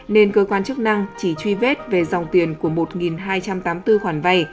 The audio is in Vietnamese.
nên cơ quan chức năng chỉ truy vết về dòng tiền của một hai trăm tám mươi bốn khoản vay